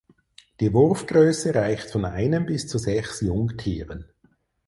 Die Wurfgröße reicht von einem bis zu sechs Jungtieren.